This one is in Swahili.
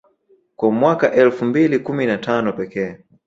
Kwa mwaka elfu mbili kumi na tano pekee